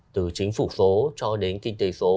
từ chính phủ số cho đến kinh tế số